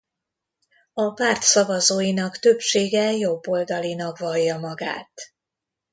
A párt szavazóinak többsége jobboldalinak vallja magát.